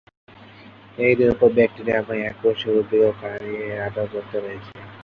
এদের উপর ব্যাকটিরিয়া, এবং এককোষী উদ্ভিদ ও প্রাণী এর আধিপত্য রয়েছে।